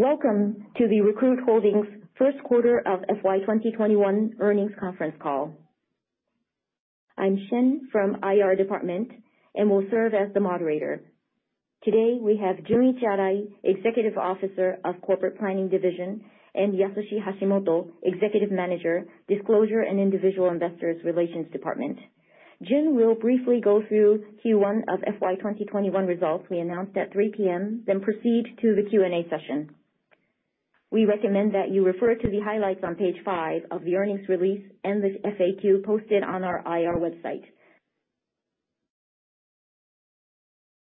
Welcome to the Recruit Holdings first quarter of FY 2021 earnings conference call. I'm Shen from IR department and will serve as the moderator. Today, we have Junichi Arai, Executive Officer of Corporate Planning Division, and Yasushi Hashimoto, Executive Manager, Disclosure and Individual Investors Relations Department. Jun will briefly go through Q1 of FY 2021 results we announced at 3:00 P.M., then proceed to the Q&A session. We recommend that you refer to the highlights on page five of the earnings release and the FAQ posted on our IR website.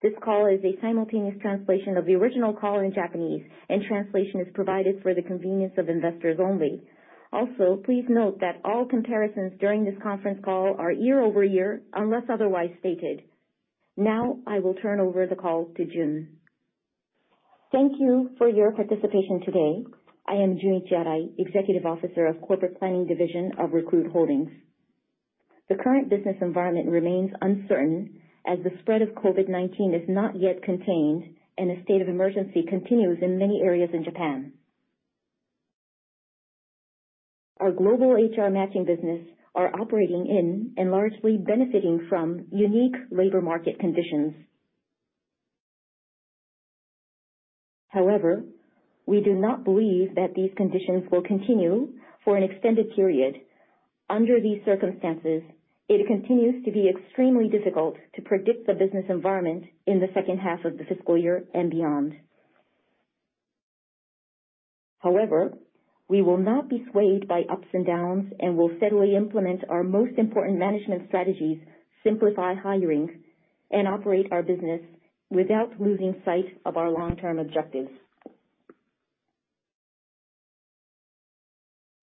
This call is a simultaneous translation of the original call in Japanese, and translation is provided for the convenience of investors only. Please note that all comparisons during this conference call are year-over-year, unless otherwise stated. I will turn over the call to Jun. Thank you for your participation today. I am Junichi Arai, Executive Officer of the Corporate Planning Division of Recruit Holdings. The current business environment remains uncertain as the spread of COVID-19 is not yet contained and a state of emergency continues in many areas in Japan. Our global HR matching business are operating in and largely benefiting from unique labor market conditions. We do not believe that these conditions will continue for an extended period. Under these circumstances, it continues to be extremely difficult to predict the business environment in the second half of the fiscal year and beyond. We will not be swayed by ups and downs and will steadily implement our most important management strategies, Simplify Hiring, and operate our business without losing sight of our long-term objectives.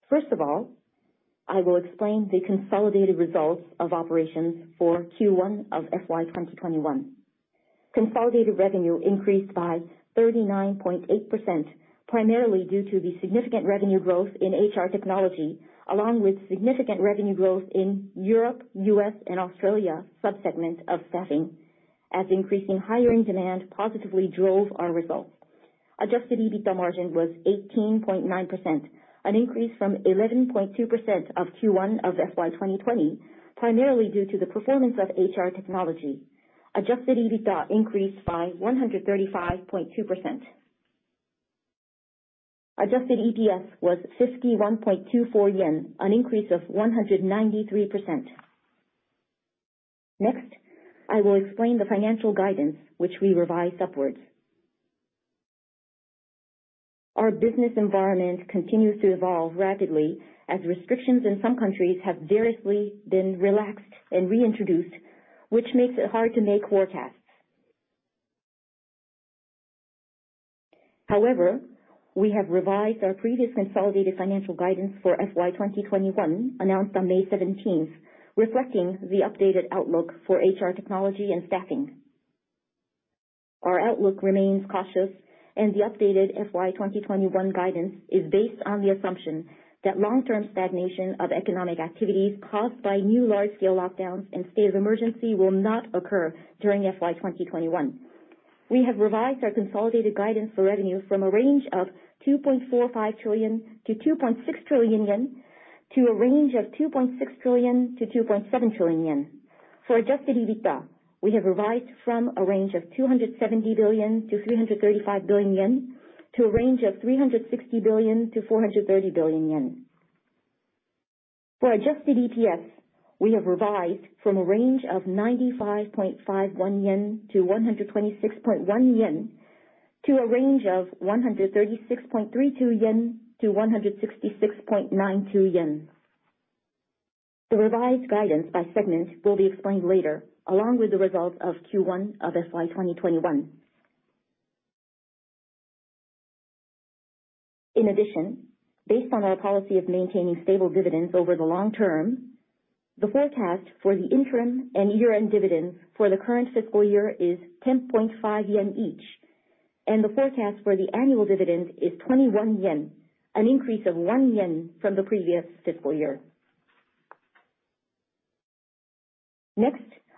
First of all, I will explain the consolidated results of operations for Q1 FY 2021. Consolidated revenue increased by 39.8%, primarily due to the significant revenue growth in HR Technology, along with significant revenue growth in Europe, U.S., and Australia sub-segment of Staffing, as increasing hiring demand positively drove our results. adjusted EBITDA margin was 18.9%, an increase from 11.2% of Q1 FY 2020, primarily due to the performance of HR Technology. Adjusted EBITDA increased by 135.2%. Adjusted EPS was 51.24 yen, an increase of 193%. Next, I will explain the financial guidance which we revised upwards. Our business environment continues to evolve rapidly as restrictions in some countries have variously been relaxed and reintroduced, which makes it hard to make forecasts. However, we have revised our previous consolidated financial guidance for FY 2021 announced on May 17th, reflecting the updated outlook for HR Technology and Staffing. Our outlook remains cautious, and the updated FY 2021 guidance is based on the assumption that long-term stagnation of economic activities caused by new large-scale lockdowns and state of emergency will not occur during FY 2021. We have revised our consolidated guidance for revenue from a range of 2.45 trillion-2.6 trillion yen to a range of 2.6 trillion-2.7 trillion yen. For adjusted EBITDA, we have revised from a range of 270 billion-335 billion yen to a range of 360 billion-430 billion yen. For adjusted EPS, we have revised from a range of 95.51-126.1 yen to a range of 136.32-166.92 yen. The revised guidance by segment will be explained later, along with the results of Q1 FY 2021. Based on our policy of maintaining stable dividends over the long term, the forecast for the interim and year-end dividend for the current fiscal year is 10.5 yen each, and the forecast for the annual dividend is 21 yen, an increase of 1 yen from the previous fiscal year.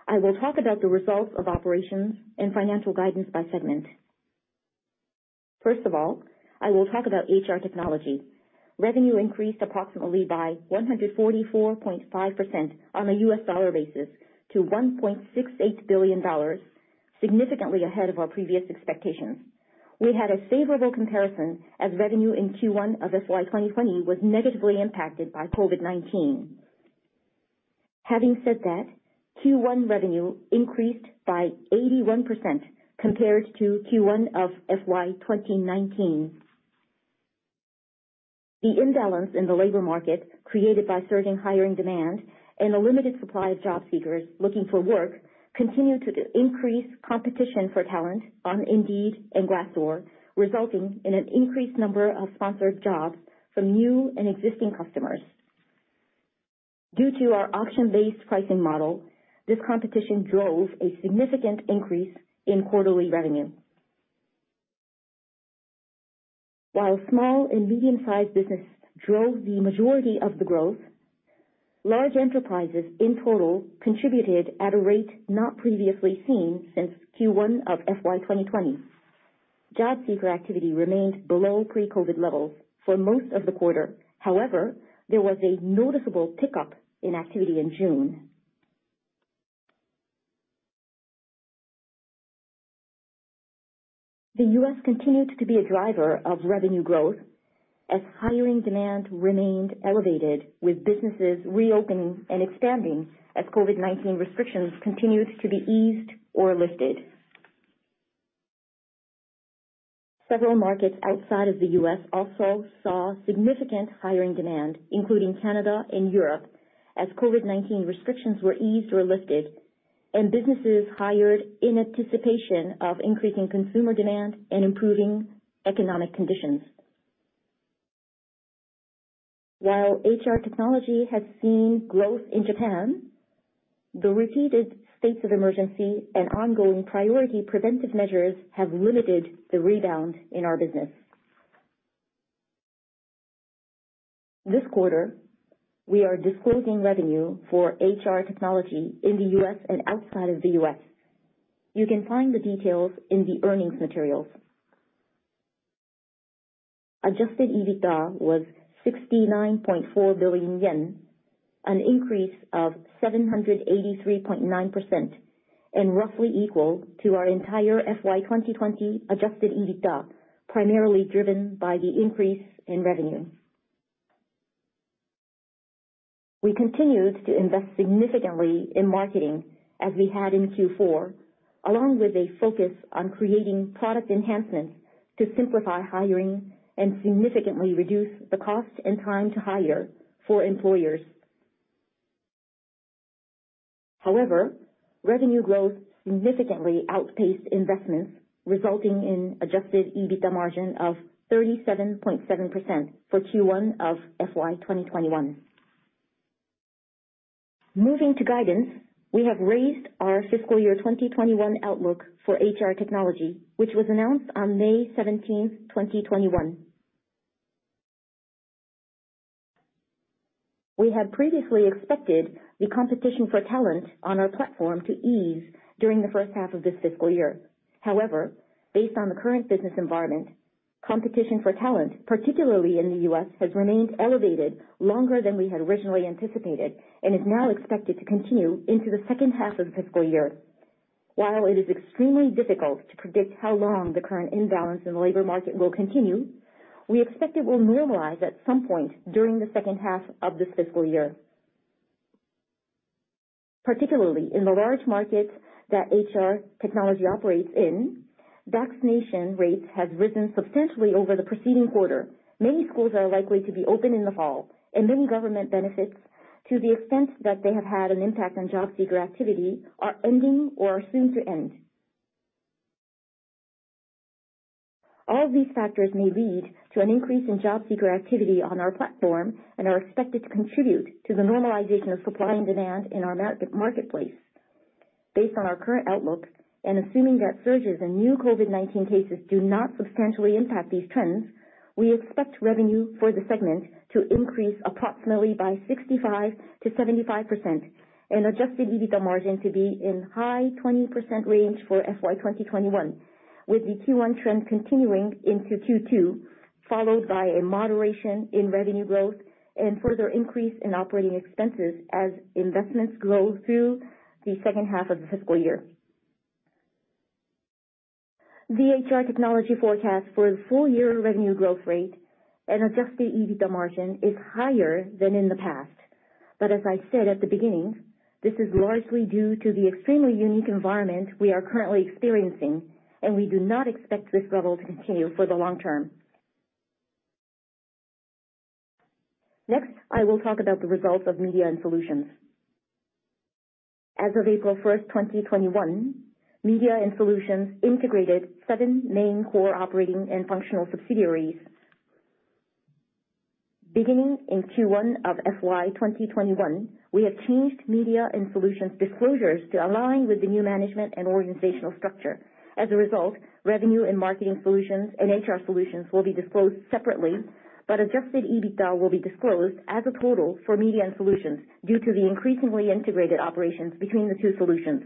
I will talk about the results of operations and financial guidance by segment. I will talk about HR Technology. Revenue increased approximately by 144.5% on a U.S. Dollar basis to $1.68 billion, significantly ahead of our previous expectations. We had a favorable comparison as revenue in Q1 FY 2020 was negatively impacted by COVID-19. Q1 revenue increased by 81% compared to Q1 FY 2019. The imbalance in the labor market created by surging hiring demand and a limited supply of job seekers looking for work continued to increase competition for talent on Indeed and Glassdoor, resulting in an increased number of sponsored jobs from new and existing customers. Due to our auction-based pricing model, this competition drove a significant increase in quarterly revenue. While small and medium-sized businesses drove the majority of the growth, large enterprises in total contributed at a rate not previously seen since Q1 of FY 2020. Job seeker activity remained below pre-COVID levels for most of the quarter. However, there was a noticeable pickup in activity in June. The U.S. continued to be a driver of revenue growth as hiring demand remained elevated, with businesses reopening and expanding as COVID-19 restrictions continued to be eased or lifted. Several markets outside of the U.S. also saw significant hiring demand, including Canada and Europe, as COVID-19 restrictions were eased or lifted, and businesses hired in anticipation of increasing consumer demand and improving economic conditions. While HR Technology has seen growth in Japan, the repeated states of emergency and ongoing priority preventive measures have limited the rebound in our business. This quarter, we are disclosing revenue for HR Technology in the U.S. and outside of the U.S. You can find the details in the earnings materials. Adjusted EBITDA was 69.4 billion yen, an increase of 783.9% and roughly equal to our entire FY 2020 adjusted EBITDA, primarily driven by the increase in revenue. We continued to invest significantly in marketing as we had in Q4, along with a focus on creating product enhancements to Simplify Hiring and significantly reduce the cost and time to hire for employers. Revenue growth significantly outpaced investments, resulting in adjusted EBITDA margin of 37.7% for Q1 FY 2021. Moving to guidance, we have raised our fiscal year 2021 outlook for HR Technology, which was announced on May 17th, 2021. We had previously expected the competition for talent on our platform to ease during the first half of this fiscal year. Based on the current business environment, competition for talent, particularly in the U.S., has remained elevated longer than we had originally anticipated and is now expected to continue into the second half of the fiscal year. While it is extremely difficult to predict how long the current imbalance in the labor market will continue, we expect it will normalize at some point during the second half of this fiscal year. Particularly in the large markets that HR Technology operates in, vaccination rates have risen substantially over the preceding quarter. Many schools are likely to be open in the fall, and many government benefits, to the extent that they have had an impact on job seeker activity, are ending or are soon to end. All these factors may lead to an increase in job seeker activity on our platform and are expected to contribute to the normalization of supply and demand in our marketplace. Based on our current outlook and assuming that surges in new COVID-19 cases do not substantially impact these trends, we expect revenue for the segment to increase approximately by 65%-75% and adjusted EBITDA margin to be in high 20% range for FY 2021, with the Q1 trend continuing into Q2, followed by a moderation in revenue growth and further increase in operating expenses as investments grow through the second half of the fiscal year. The HR Technology forecast for full-year revenue growth rate and adjusted EBITDA margin is higher than in the past. As I said at the beginning, this is largely due to the extremely unique environment we are currently experiencing, and we do not expect this level to continue for the long term. Next, I will talk about the results of Media and Solutions. As of April 1st, 2021, Media and Solutions integrated seven main core operating and functional subsidiaries. Beginning in Q1 of FY 2021, we have changed Media and Solutions disclosures to align with the new management and organizational structure. As a result, revenue and Marketing Solutions and HR Solutions will be disclosed separately, but adjusted EBITDA will be disclosed as a total for Media and Solutions due to the increasingly integrated operations between the two solutions.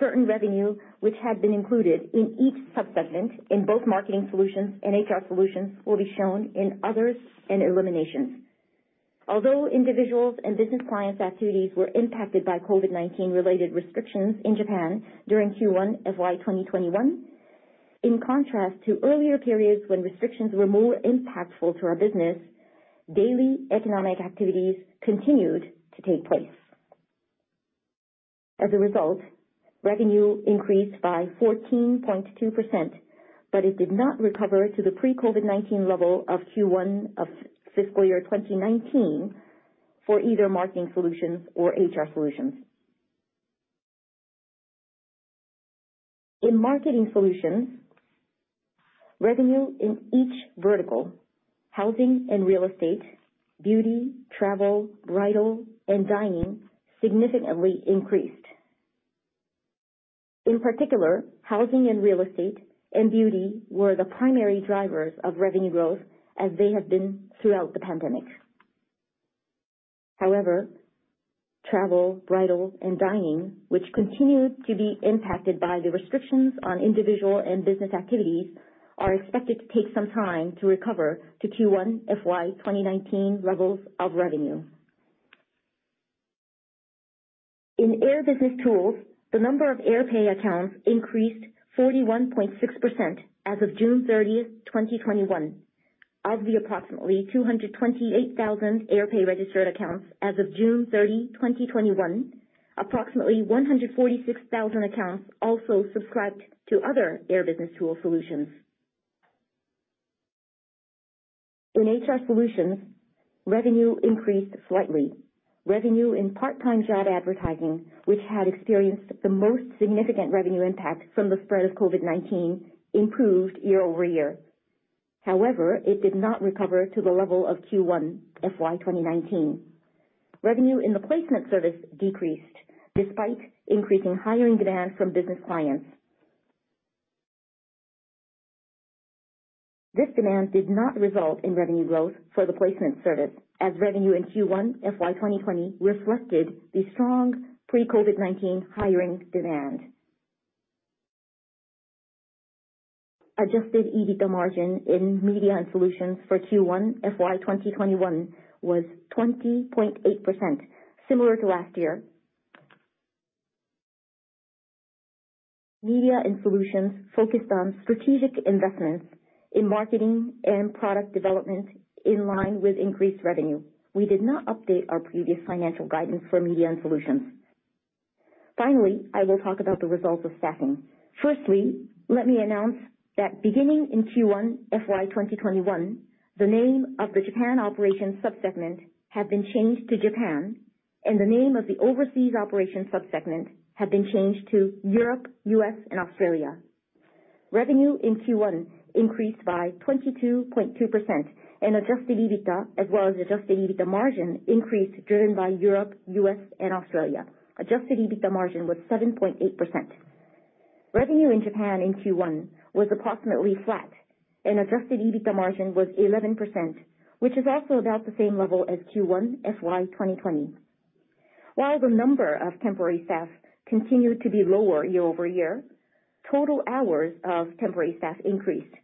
Certain revenue which had been included in each sub-segment in both Marketing Solutions and HR Solutions will be shown in others and eliminations. Although individuals and business clients' activities were impacted by COVID-19 related restrictions in Japan during Q1 FY 2021, in contrast to earlier periods when restrictions were more impactful to our business, daily economic activities continued to take place. As a result, revenue increased by 14.2%, but it did not recover to the pre-COVID-19 level of Q1 of fiscal year 2019 for either Marketing Solutions or HR Solutions. In Marketing Solutions, revenue in each vertical, housing and real estate, beauty, travel, bridal, and dining, significantly increased. In particular, housing, real estate, and beauty were the primary drivers of revenue growth as they have been throughout the pandemic. Travel, bridal, and dining, which continued to be impacted by the restrictions on individual and business activities, are expected to take some time to recover to Q1 FY 2019 levels of revenue. In Air BusinessTools, the number of AirPAY accounts increased 41.6% as of June 30th, 2021. Of the approximately 228,000 AirPAY registered accounts as of June 30, 2021, approximately 146,000 accounts also subscribed to other Air BusinessTools solutions. In HR Solutions, revenue increased slightly. Revenue in part-time job advertising, which had experienced the most significant revenue impact from the spread of COVID-19, improved year-over-year. It did not recover to the level of Q1 FY 2019. Revenue in the placement service decreased despite increasing hiring demand from business clients. This demand did not result in revenue growth for the placement service, as revenue in Q1 FY 2020 reflected the strong pre-COVID-19 hiring demand. adjusted EBITDA margin in Media and Solutions for Q1 FY 2021 was 20.8%, similar to last year. Media and Solutions focused on strategic investments in marketing and product development in line with increased revenue. We did not update our previous financial guidance for Media and Solutions. I will talk about the results of Staffing. Let me announce that beginning in Q1 FY 2021, the name of the Japan operations sub-segment has been changed to Japan, and the name of the overseas operations sub-segment has been changed to Europe, U.S., and Australia. Revenue in Q1 increased by 22.2% and adjusted EBITDA, as well as adjusted EBITDA margin, increased, driven by Europe, U.S., and Australia. adjusted EBITDA margin was 7.8%. Revenue in Japan in Q1 was approximately flat and adjusted EBITDA margin was 11%, which is also about the same level as Q1 FY 2020. While the number of temporary staff continued to be lower year-over-year, total hours of temporary staff increased.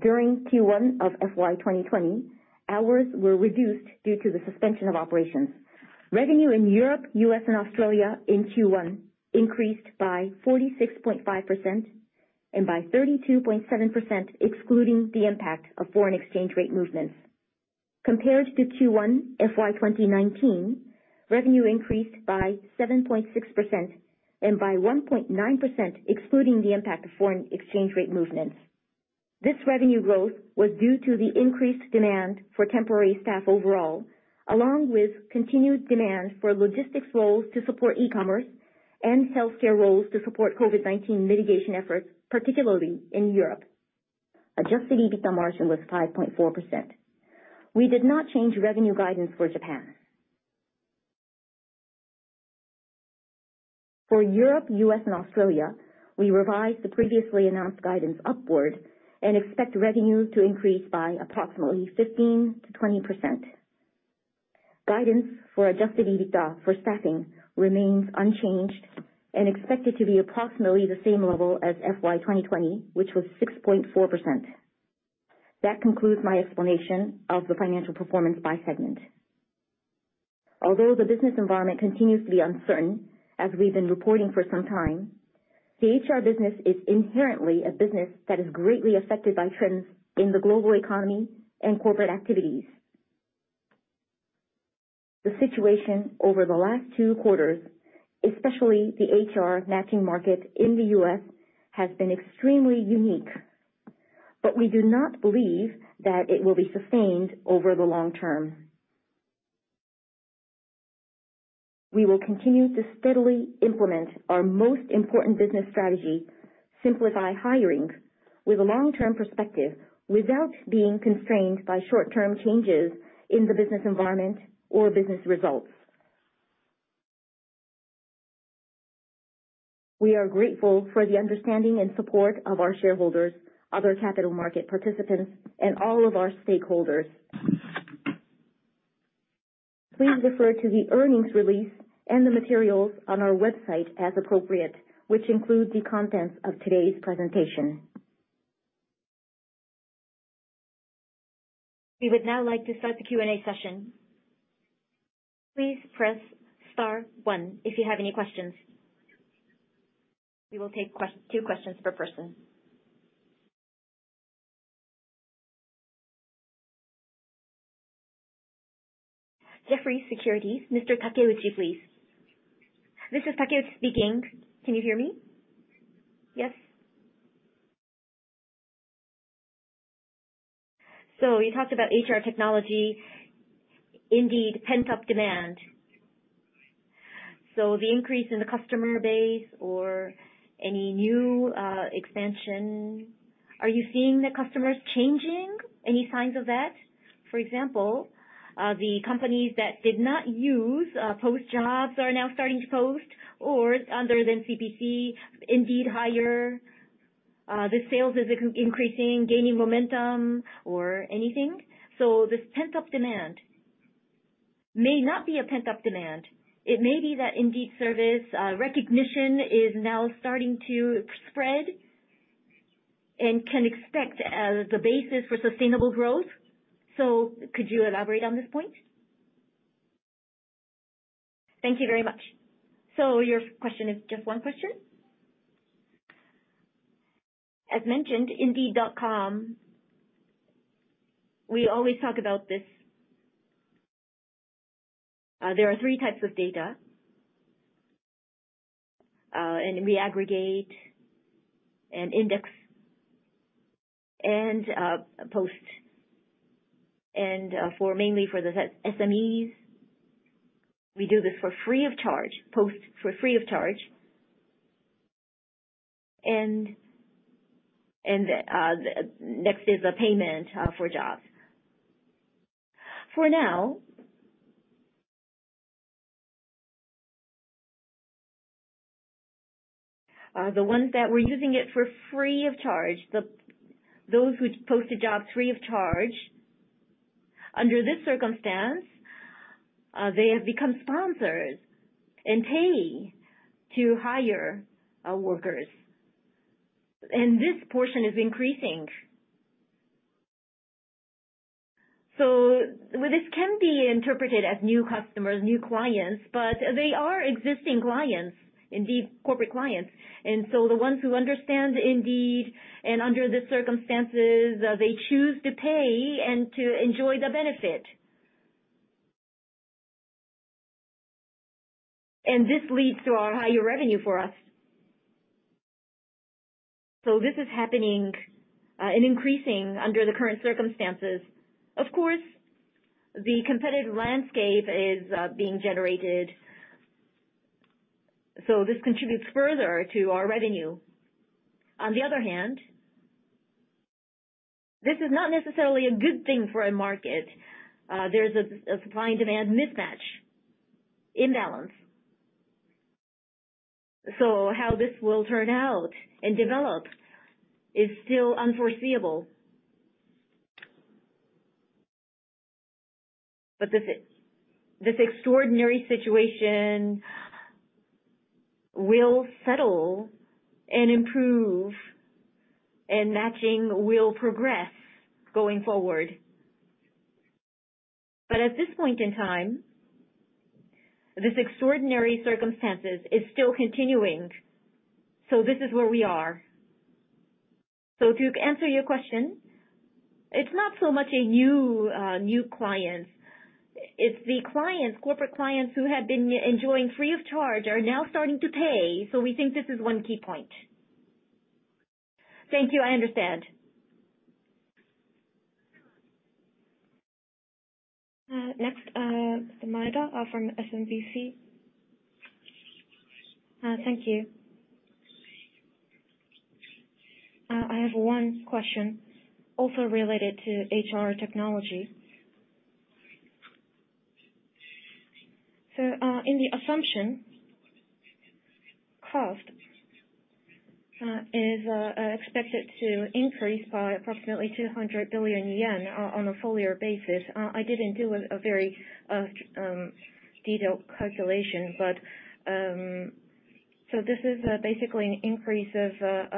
During Q1 of FY 2020, hours were reduced due to the suspension of operations. Revenue in Europe, U.S., and Australia in Q1 increased by 46.5% and by 32.7%, excluding the impact of foreign exchange rate movements. Compared to Q1 FY 2019, revenue increased by 7.6% and by 1.9%, excluding the impact of foreign exchange rate movements. This revenue growth was due to the increased demand for temporary staff overall, along with continued demand for logistics roles to support e-commerce and healthcare roles to support COVID-19 mitigation efforts, particularly in Europe. Adjusted EBITDA margin was 5.4%. We did not change revenue guidance for Japan. For Europe, U.S., and Australia, we revised the previously announced guidance upward and expect revenue to increase by approximately 15%-20%. Guidance for adjusted EBITDA for Staffing remains unchanged and expected to be approximately the same level as FY 2020, which was 6.4%. That concludes my explanation of the financial performance by segment. Although the business environment continues to be uncertain, as we've been reporting for some time, the HR business is inherently a business that is greatly affected by trends in the global economy and corporate activities. The situation over the last two quarters, especially the HR matching market in the U.S., has been extremely unique. We do not believe that it will be sustained over the long term. We will continue to steadily implement our most important business strategy, Simplify Hiring, with a long-term perspective without being constrained by short-term changes in the business environment or business results. We are grateful for the understanding and support of our shareholders, other capital market participants, and all of our stakeholders. Please refer to the earnings release and the materials on our website as appropriate, which include the contents of today's presentation. We would now like to start the Q&A session. Please press star one if you have any questions. We will take two questions per person. Jefferies Securities, Mr. Takeuchi, please. This is Takeuchi speaking. Can you hear me? Yes. You talked about HR Technology. Indeed, pent-up demand. The increase in the customer base or any new expansion Are you seeing the customers changing? Any signs of that? For example, the companies that did not use post jobs are now starting to post or other than CPC, Indeed Hire, the sales is increasing, gaining momentum or anything? This pent-up demand may not be a pent-up demand. It may be that Indeed service recognition is now starting to spread and can expect as the basis for sustainable growth. Could you elaborate on this point? Thank you very much. Your question is just one question? As mentioned, Indeed.com, we always talk about this. There are three types of data, and we aggregate an index and post. Mainly for the SMEs, we do this for free of charge, post for free of charge, and next is a payment for jobs. For now, the ones that were using it for free of charge, those who post a job free of charge, under this circumstance, they have become sponsors and pay to hire workers. This portion is increasing. This can be interpreted as new customers, new clients, but they are existing clients, Indeed corporate clients. The ones who understand Indeed and under the circumstances, they choose to pay and to enjoy the benefit. This leads to our higher revenue for us. This is happening and increasing under the current circumstances. Of course, the competitive landscape is being generated, so this contributes further to our revenue. On the other hand, this is not necessarily a good thing for a market. There's a supply and demand mismatch, imbalance. How this will turn out and develop is still unforeseeable. This extraordinary situation will settle and improve, and matching will progress going forward. At this point in time, this extraordinary circumstances is still continuing, so this is where we are. To answer your question, it's not so much a new clients. It's the corporate clients who had been enjoying free of charge are now starting to pay, so we think this is one key point. Thank you. I understand. Next, Maeda from SMBC. Thank you. I have one question also related to HR Technology. In the assumption, cost is expected to increase by approximately 200 billion yen on a full year basis. I didn't do a very detailed calculation, this is basically an increase of 50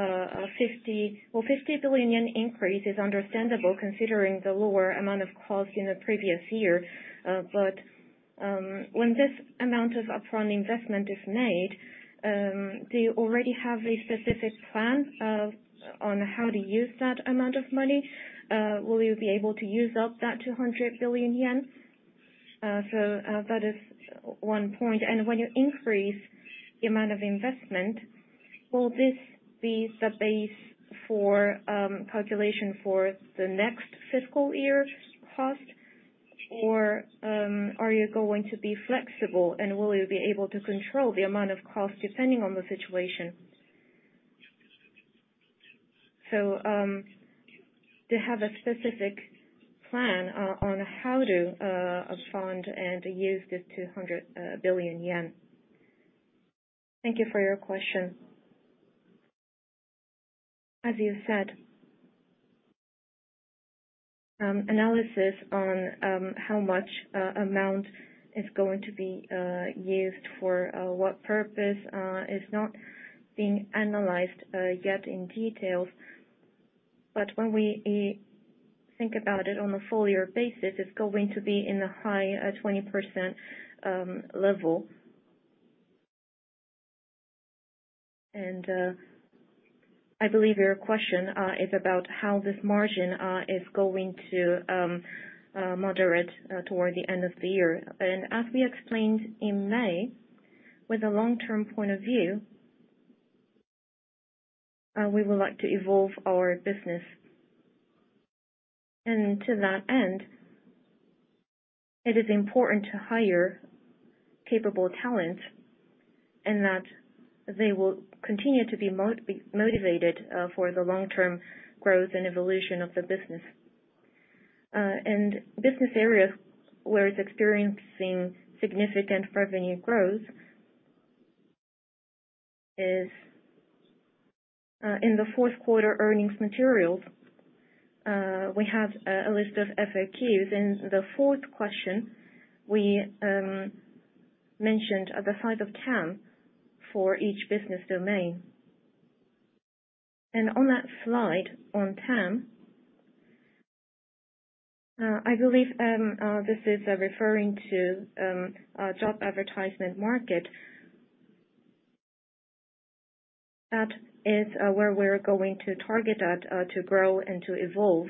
billion yen increase is understandable considering the lower amount of cost in the previous year. When this amount of upfront investment is made, do you already have a specific plan on how to use that amount of money? Will you be able to use up that 200 billion yen? That is one point. When you increase the amount of investment, will this be the base for calculation for the next fiscal year cost, or are you going to be flexible, and will you be able to control the amount of cost depending on the situation? Do you have a specific plan on how to fund and use this 200 billion yen? Thank you for your question. As you said, analysis on how much amount is going to be used for what purpose is not being analyzed yet in details. When we think about it on a full year basis, it's going to be in the high 20% level. I believe your question is about how this margin is going to moderate toward the end of the year. As we explained in May, with a long-term point of view, we would like to evolve our business To that end, it is important to hire capable talent and that they will continue to be motivated for the long-term growth and evolution of the business. Business areas where it's experiencing significant revenue growth is in the fourth quarter earnings materials. We have a list of FAQs. In the fourth question, we mentioned the size of TAM for each business domain. On that slide on TAM, I believe this is referring to job advertisement market. That is where we're going to target at to grow and to evolve.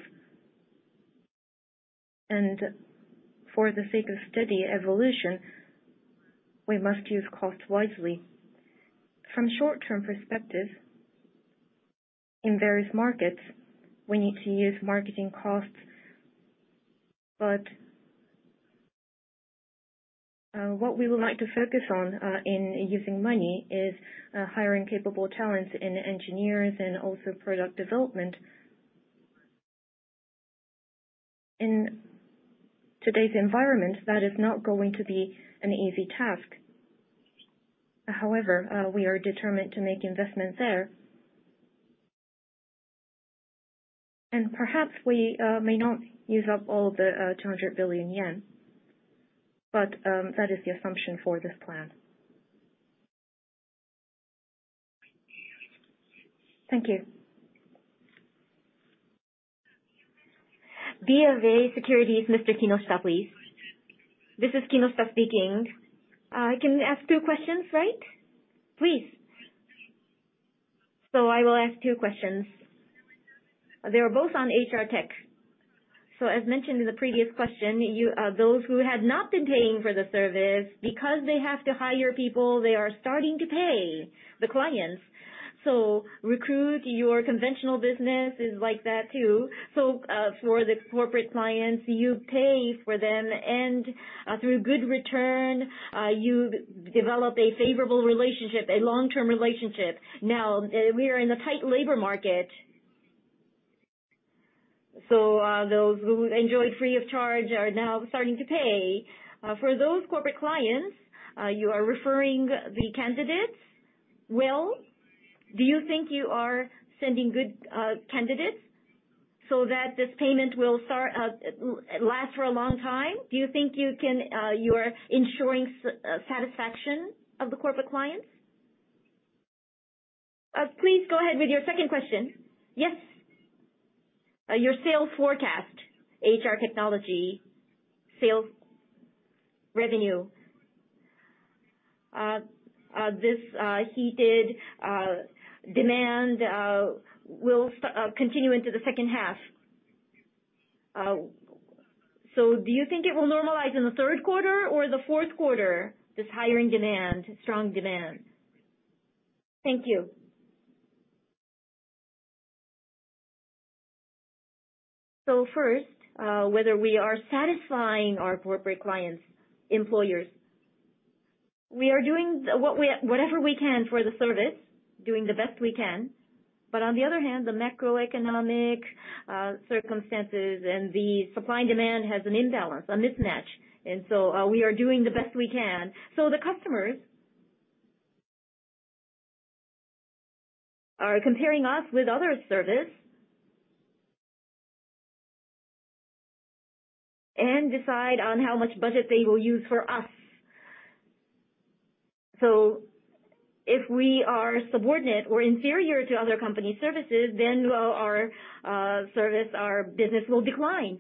For the sake of steady evolution, we must use cost wisely. From short-term perspective, in various markets, we need to use marketing costs, but what we would like to focus on in using money is hiring capable talents in engineers and also product development. In today's environment, that is not going to be an easy task. However, we are determined to make investments there. Perhaps we may not use up all the 200 billion yen, that is the assumption for this plan. Thank you. BofA Securities, Kinoshita, please. This is Kinoshita speaking. I can ask two questions, right? Please. I will ask two questions. They are both on HR tech. As mentioned in the previous question, those who had not been paying for the service, because they have to hire people, they are starting to pay, the clients. Recruit, your conventional business is like that too. For the corporate clients, you pay for them and through good return, you develop a favorable relationship, a long-term relationship. Now, we are in a tight labor market, so those who enjoyed free of charge are now starting to pay. For those corporate clients, you are referring the candidates well? Do you think you are sending good candidates so that this payment will last for a long time? Do you think you are ensuring satisfaction of the corporate clients? Please go ahead with your second question. Yes. Your sales forecast, HR Technology, sales revenue. This heated demand will continue into the second half. Do you think it will normalize in the third quarter or the fourth quarter, this hiring demand, strong demand? Thank you. First, whether we are satisfying our corporate clients, employers. We are doing whatever we can for the service, doing the best we can. On the other hand, the macroeconomic circumstances and the supply and demand has an imbalance, a mismatch, we are doing the best we can. The customers are comparing us with other service and decide on how much budget they will use for us. If we are subordinate or inferior to other company services, then our service, our business will decline.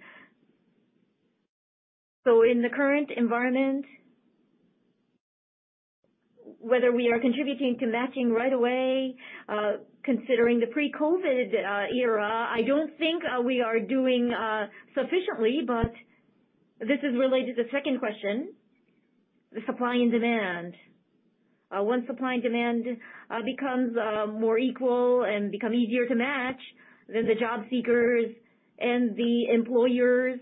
In the current environment, whether we are contributing to matching right away, considering the pre-COVID-19 era, I don't think we are doing sufficiently, but this is related to the second question, the supply and demand. Once supply and demand becomes more equal and become easier to match, the job seekers and the employers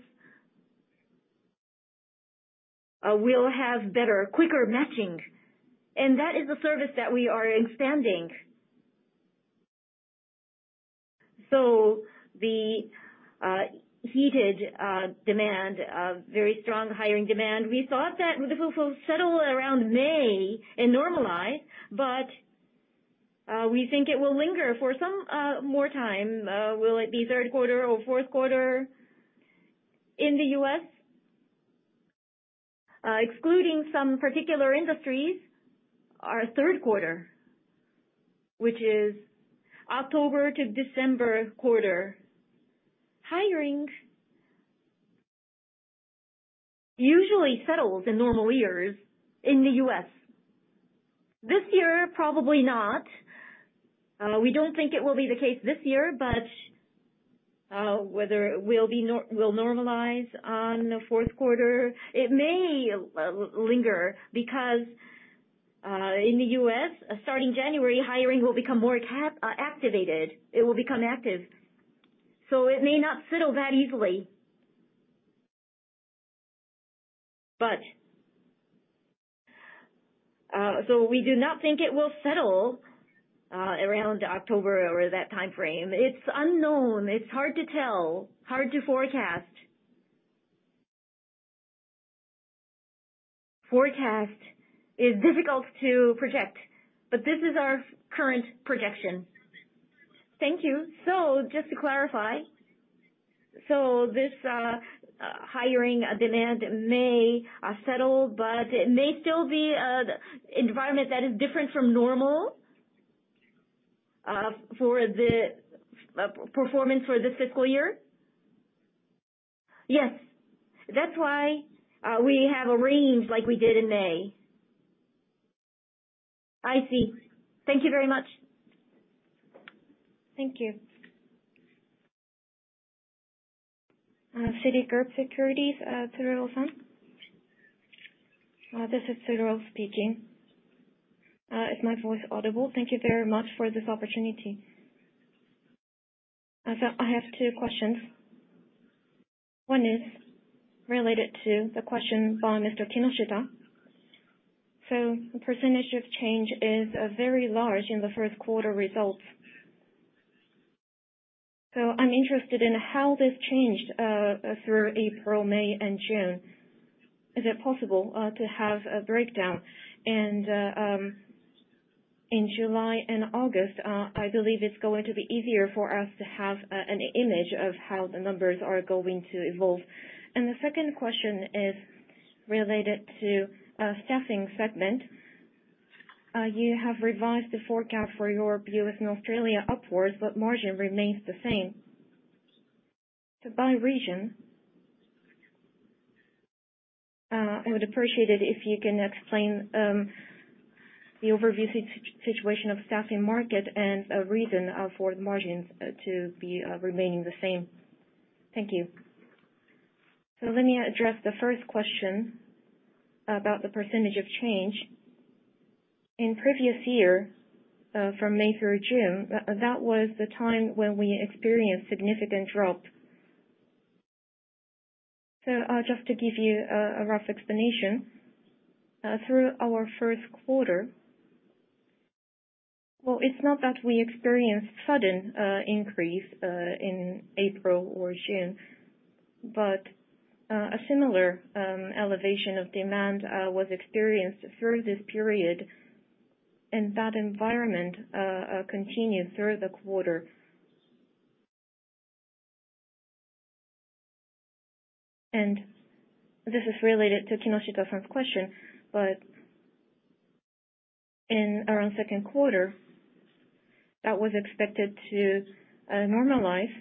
will have better, quicker matching. That is the service that we are expanding. The heated demand, very strong hiring demand, we thought that this will settle around May and normalize, but we think it will linger for some more time. Will it be third quarter or fourth quarter? In the U.S., excluding some particular industries, our third quarter, which is October to December quarter, hiring usually settles in normal years in the U.S. This year, probably not. We don't think it will be the case this year, but whether it will normalize on the fourth quarter, it may linger because. In the U.S., starting January, hiring will become more activated. It will become active. It may not settle that easily. We do not think it will settle around October or that timeframe. It's unknown. It's hard to tell, hard to forecast. Forecast is difficult to project, but this is our current projection. Thank you. Just to clarify, this hiring demand may settle, but it may still be an environment that is different from normal for the performance for this fiscal year? Yes. That's why we have a range like we did in May. I see. Thank you very much. Thank you. Citigroup Securities, Tsuruo-san. This is Tsuruo speaking. Is my voice audible? Thank you very much for this opportunity. I have two questions. One is related to the question by Mr. Kinoshita. The percentage of change is very large in the first quarter results. I'm interested in how this changed through April, May, and June. Is it possible to have a breakdown? In July and August, I believe it's going to be easier for us to have an image of how the numbers are going to evolve. The second question is related to Staffing segment. You have revised the forecast for Europe, U.S., and Australia upwards, but margin remains the same. By region, I would appreciate it if you can explain the overview situation of Staffing market and reason for margins to be remaining the same. Thank you. Let me address the first question about the percentage of change. In previous year, from May through June, that was the time when we experienced significant drop. Just to give you a rough explanation, through our first quarter, well, it's not that we experienced sudden increase in April or June. A similar elevation of demand was experienced through this period, and that environment continued through the quarter. This is related to Kinoshita-san's question, but in our second quarter, that was expected to normalize.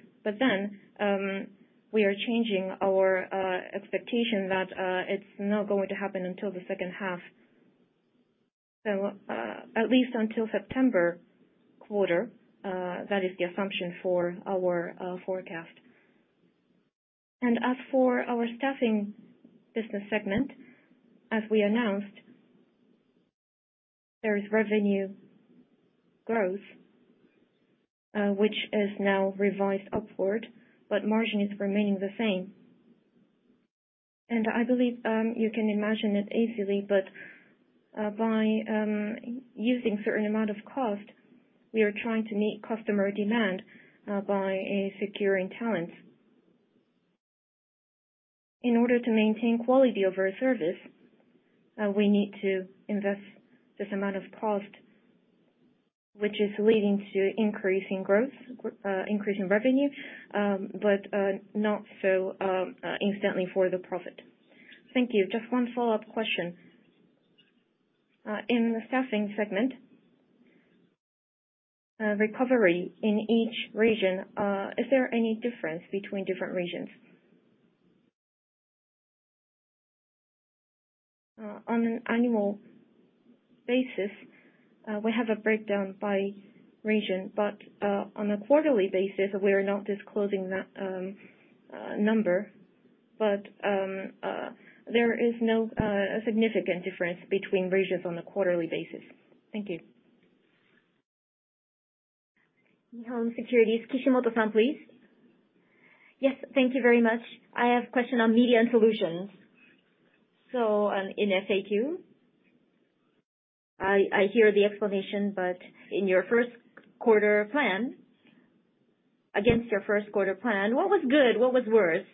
We are changing our expectation that it's not going to happen until the second half. At least until September quarter, that is the assumption for our forecast. As for our Staffing Business segment, as we announced, there is revenue growth, which is now revised upward, but margin is remaining the same. I believe you can imagine it easily, but by using certain amount of cost, we are trying to meet customer demand by securing talent. In order to maintain quality of our service, we need to invest this amount of cost, which is leading to increase in revenue, but not so instantly for the profit. Thank you. Just one follow-up question. In the Staffing segment, recovery in each region, is there any difference between different regions? On an annual basis, we have a breakdown by region. On a quarterly basis, we are not disclosing that number. There is no significant difference between regions on a quarterly basis. Thank you. Mizuho Securities, Kishimoto-san, please. Yes, thank you very much. I have question on Media and Solutions. In FAQ, I hear the explanation, but against your first quarter plan, what was good, what was worse?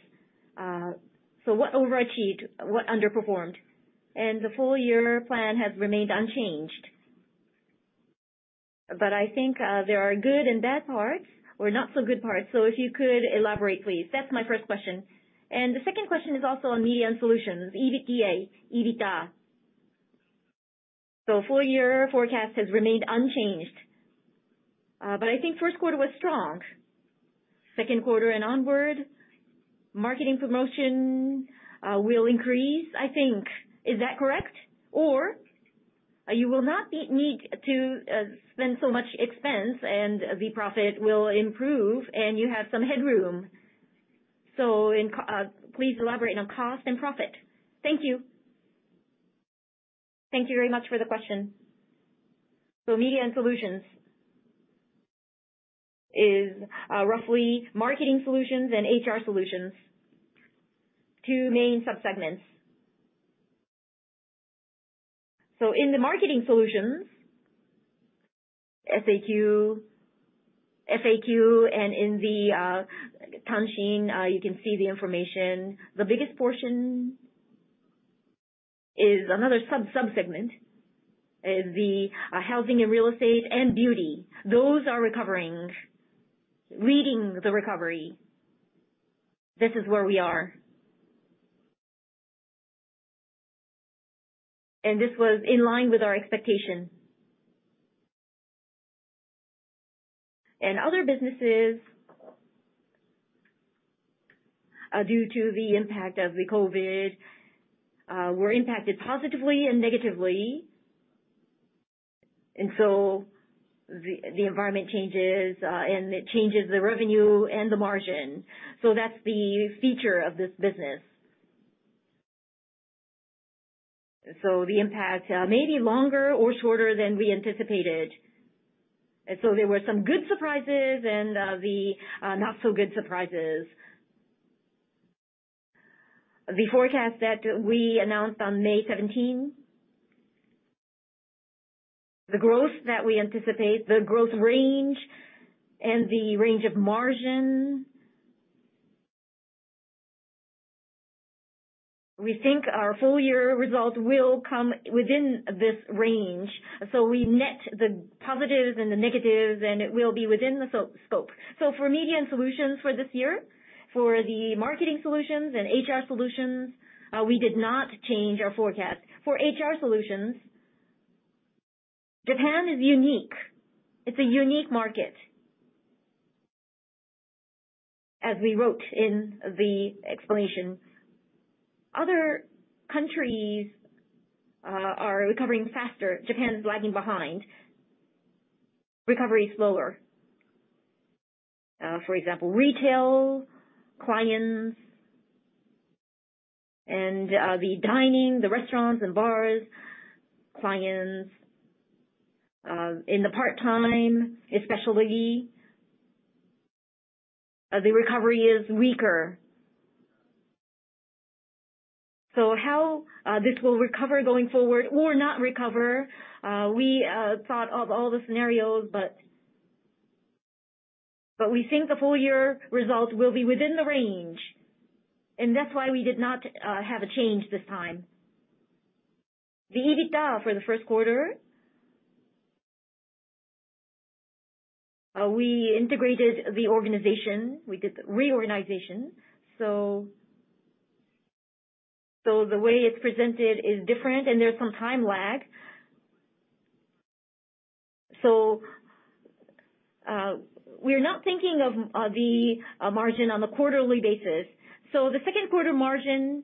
What overachieved, what underperformed? The full year plan has remained unchanged. I think there are good and bad parts or not so good parts. If you could elaborate, please. That's my first question. The second question is also on Media and Solutions, EBITDA. Full year forecast has remained unchanged. I think first quarter was strong. Second quarter and onward, marketing promotion will increase, I think. Is that correct? Or you will not need to spend so much expense and the profit will improve and you have some headroom. Please elaborate on cost and profit. Thank you. Thank you very much for the question. Matching and Solutions is roughly Marketing Solutions and HR Solutions, two main sub-segments. In the Marketing Solutions, FAQ, and in the Tanshin, you can see the information. The biggest portion is another sub-segment, the housing and real estate and beauty. Those are recovering, leading the recovery. This is where we are. This was in line with our expectation. Other businesses, due to the impact of the COVID-19, were impacted positively and negatively. The environment changes, and it changes the revenue and the margin. That's the feature of this business. The impact may be longer or shorter than we anticipated. There were some good surprises and the not so good surprises. The forecast that we announced on May 17, the growth that we anticipate, the growth range, and the range of margin, we think our full year results will come within this range. We net the positives and the negatives, and it will be within the scope. For Matching and Solutions for this year, for the Marketing Solutions and HR Solutions, we did not change our forecast. For HR Solutions, Japan is unique. It's a unique market, as we wrote in the explanation. Other countries are recovering faster. Japan's lagging behind. Recovery is slower. For example, retail clients and the dining, the restaurants and bars clients. In the part-time especially, the recovery is weaker. How this will recover going forward or not recover, we thought of all the scenarios, but we think the full year results will be within the range, and that's why we did not have a change this time. The EBITDA for the first quarter, we integrated the organization. We did the reorganization. The way it's presented is different, and there's some time lag. We're not thinking of the margin on a quarterly basis. The second quarter margin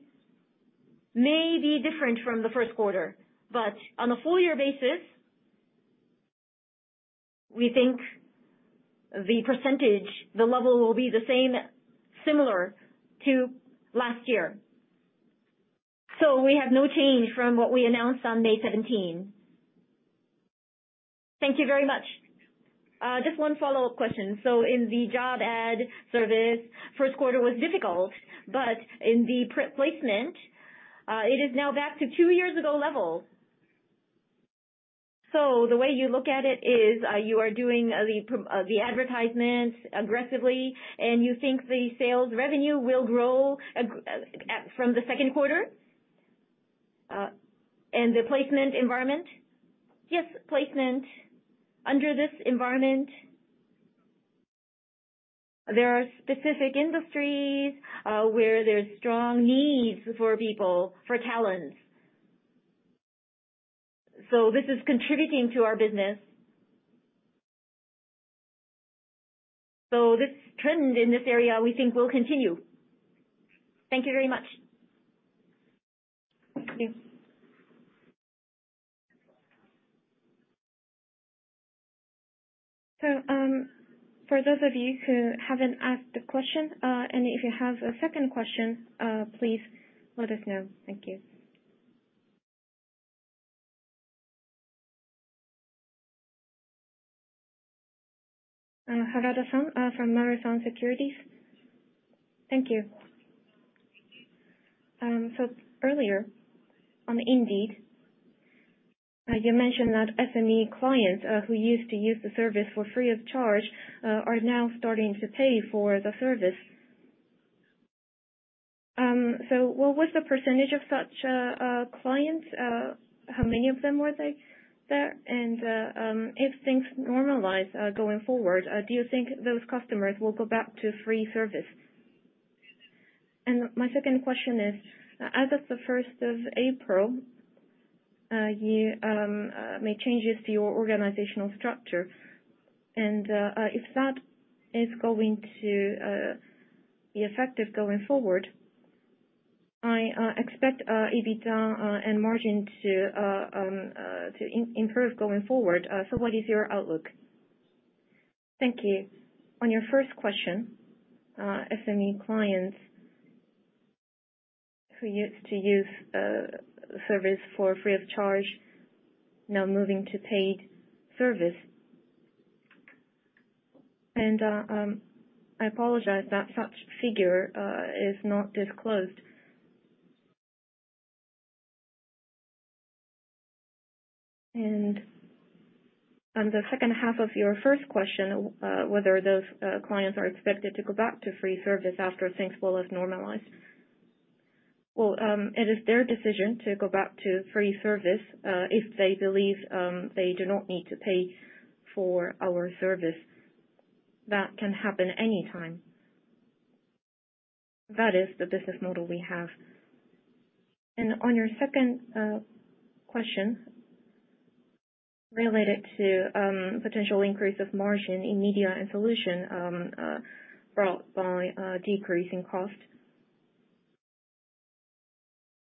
may be different from the first quarter, but on a full year basis, we think the percentage, the level will be the same, similar to last year. We have no change from what we announced on May 17. Thank you very much. Just one follow-up question. In the job ad service, first quarter was difficult, but in the placement, it is now back to two years ago levels. The way you look at it is, you are doing the advertisements aggressively, and you think the sales revenue will grow from the second quarter? The placement environment? Yes, placement. Under this environment, there's specific industries where there's strong needs for people, for talents. This is contributing to our business. This trend in this area, we think will continue. Thank you very much. Thank you. For those of you who haven't asked a question, and if you have a second question, please let us know. Thank you. Harada-san from Marusan Securities. Thank you. Earlier on Indeed, you mentioned that SME clients who used to use the service for free of charge are now starting to pay for the service. What was the percentage of such clients? How many of them were there? If things normalize going forward, do you think those customers will go back to free service? My second question is, as of the April 1st, you made changes to your organizational structure. If that is going to be effective going forward, I expect EBITDA and margin to improve going forward. What is your outlook? Thank you. On your first question, SME clients who used to use service for free of charge now moving to paid service. I apologize that such figure is not disclosed. On the second half of your first question, whether those clients are expected to go back to free service after things will have normalized. Well, it is their decision to go back to free service, if they believe they do not need to pay for our service. That can happen anytime. That is the business model we have. On your second question related to potential increase of margin in Matching and Solutions brought by decreasing cost.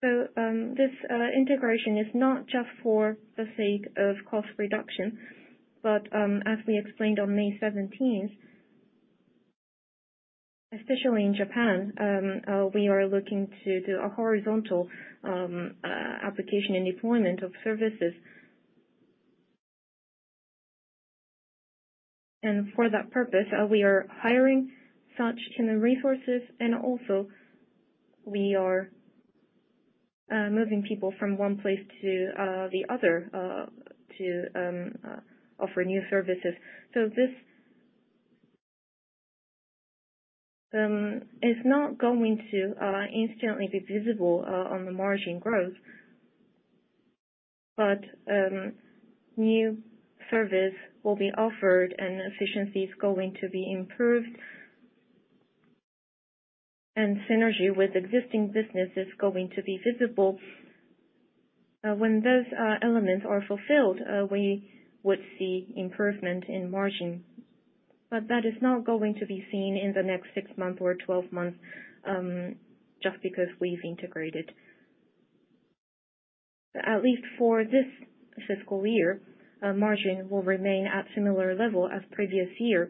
This integration is not just for the sake of cost reduction, but, as we explained on May 17th, especially in Japan, we are looking to do a horizontal application and deployment of services. For that purpose, we are hiring such human resources and also, we are moving people from one place to the other, to offer new services. This is not going to instantly be visible on the margin growth. New service will be offered and efficiency is going to be improved. Synergy with existing business is going to be visible. When those elements are fulfilled, we would see improvement in margin. That is not going to be seen in the next six months or 12 months, just because we've integrated. At least for this fiscal year, margin will remain at similar level as previous year.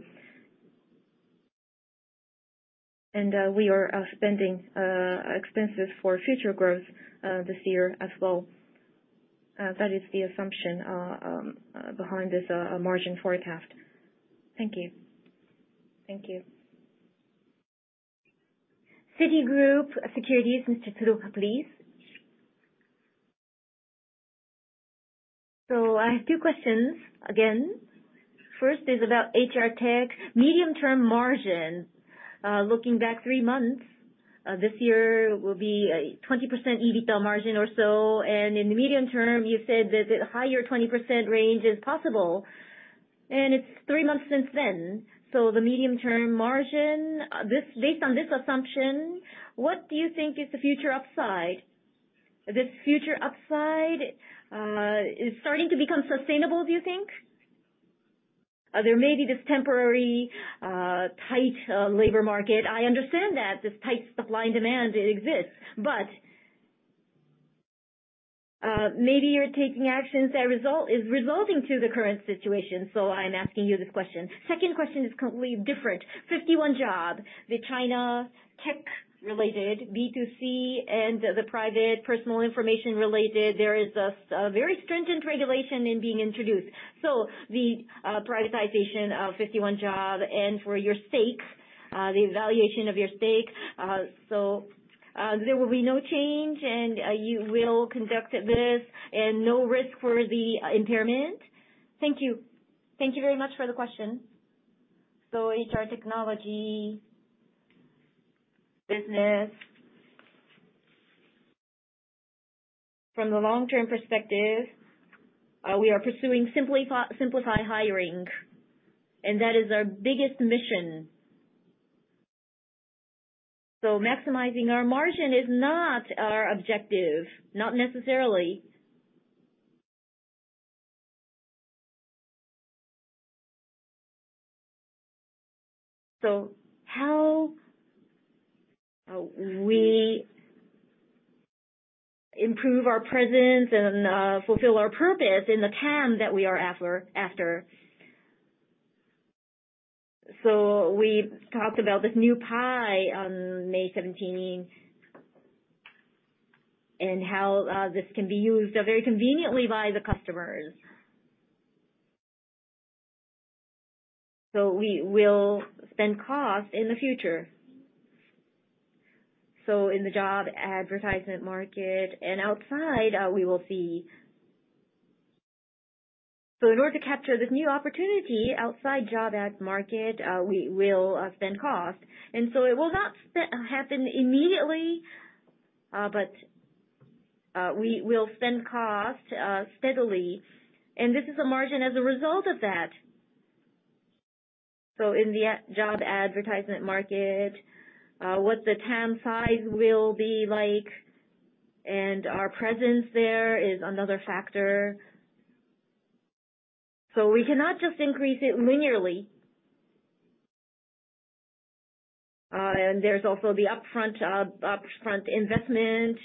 We are spending expenses for future growth this year as well. That is the assumption behind this margin forecast. Thank you. Thank you. Citigroup Securities, Ms. Tsuruo, please. I have two questions again. First is about HR Technology medium-term margin. Looking back three months, this year will be a 20% EBITDA margin or so, and in the medium term, you said that the higher 20% range is possible. It's three months since then. The medium-term margin, based on this assumption, what do you think is the future upside? This future upside is starting to become sustainable, do you think? There may be this temporary tight labor market. I understand that, this tight supply and demand, it exists. Maybe you're taking actions that is resulting to the current situation. I'm asking you this question. Second question is completely different. 51job, the China tech related B2C and the private personal information related, there is a very strengthened regulation being introduced. The privatization of 51job and for your stakes, the evaluation of your stakes. There will be no change and you will conduct this and no risk for the impairment? Thank you. Thank you very much for the question. HR Technology business, from the long-term perspective, we are pursuing Simplify Hiring, and that is our biggest mission. Maximizing our margin is not our objective, not necessarily. How we improve our presence and fulfill our purpose in the TAM that we are after. We talked about this new pie on May 17th, and how this can be used very conveniently by the customers. We will spend cost in the future. In the job advertisement market and outside, we will see. In order to capture this new opportunity outside job ads market, we will spend cost. It will not happen immediately, but we will spend cost steadily, and this is a margin as a result of that. In the job advertisement market, what the TAM size will be like and our presence there is another factor. We cannot just increase it linearly. There's also the upfront investment.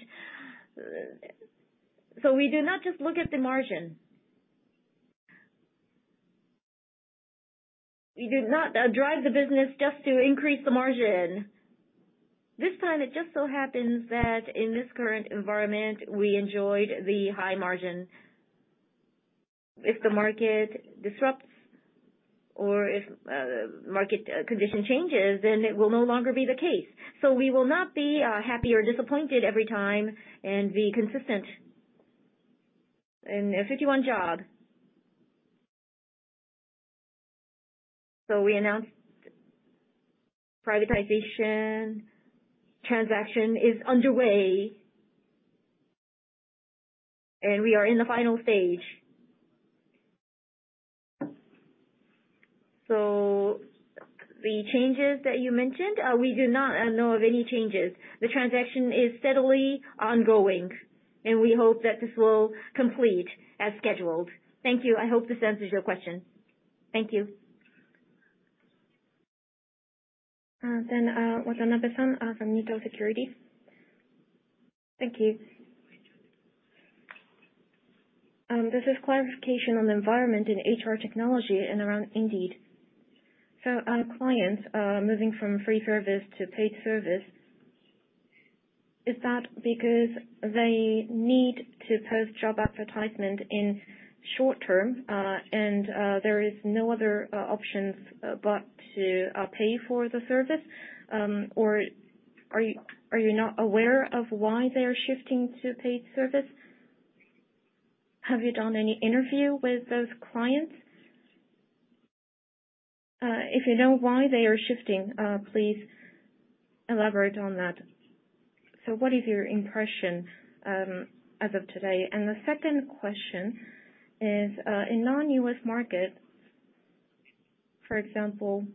We do not just look at the margin. We do not drive the business just to increase the margin. This time, it just so happens that in this current environment, we enjoyed the high margin. If the market disrupts or if market condition changes, then it will no longer be the case. We will not be happy or disappointed every time and be consistent. In 51job, we announced privatization transaction is underway, and we are in the final stage. The changes that you mentioned, we do not know of any changes. The transaction is steadily ongoing, and we hope that this will complete as scheduled. Thank you. I hope this answers your question. Thank you. Watanabe-san from Mito Securities. Thank you. This is clarification on the environment in HR Technology and around Indeed. Our clients are moving from free service to paid service. Is that because they need to post job advertisement in short term, and there is no other options but to pay for the service? Are you not aware of why they are shifting to paid service? Have you done any interview with those clients? If you know why they are shifting, please elaborate on that. What is your impression, as of today? The second question is, in non-U.S. market, for example,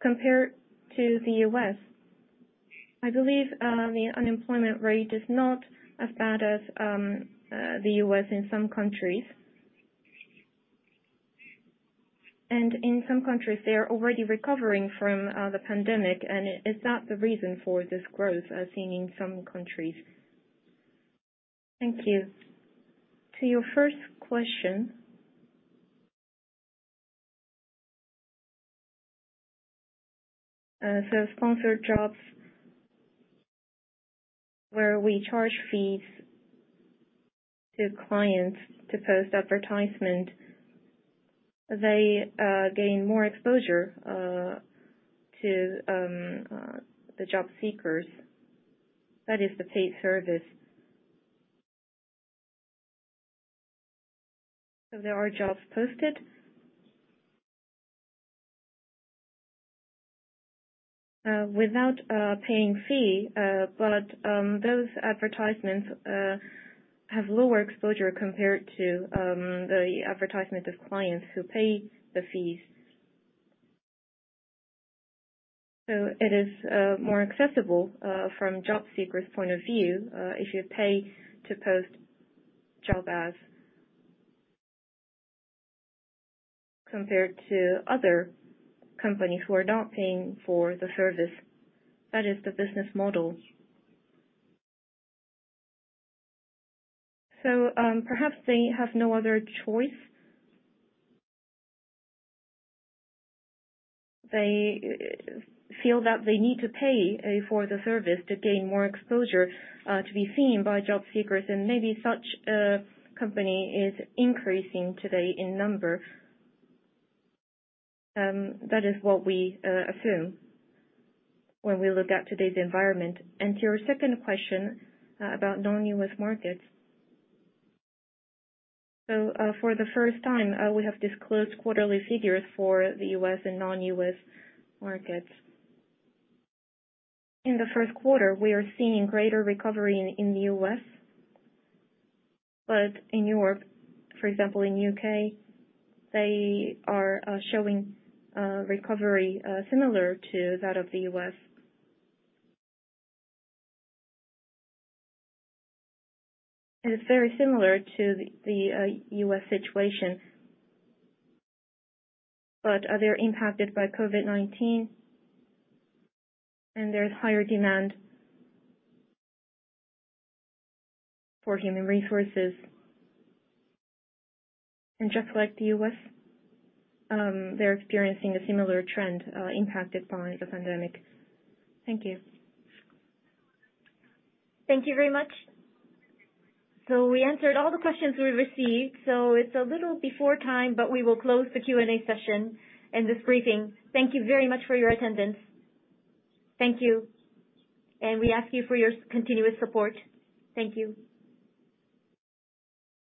compared to the U.S., I believe the unemployment rate is not as bad as the U.S. in some countries. In some countries, they are already recovering from the pandemic, and is that the reason for this growth as seen in some countries? Thank you. To your first question. Sponsored jobs, where we charge fees to clients to post advertisement, they gain more exposure to the job seekers. That is the paid service. There are jobs posted without paying fee, but those advertisements have lower exposure compared to the advertisement of clients who pay the fees. It is more accessible from job seekers' point of view, if you pay to post job ads compared to other companies who are not paying for the service. That is the business model. Perhaps they have no other choice. They feel that they need to pay for the service to gain more exposure to be seen by job seekers, and maybe such a company is increasing today in number. That is what we assume when we look at today's environment. To your second question about non-U.S. markets. For the first time, we have disclosed quarterly figures for the U.S. and non-U.S. markets. In the first quarter, we are seeing greater recovery in the U.S. In Europe, for example, in U.K., they are showing recovery similar to that of the U.S. It is very similar to the U.S. situation. They're impacted by COVID-19, and there's higher demand for human resources. Just like the U.S., they're experiencing a similar trend impacted by the pandemic. Thank you. Thank you very much. We answered all the questions we received. It's a little before time, but we will close the Q&A session and this briefing. Thank you very much for your attendance. Thank you. We ask you for your continuous support. Thank you.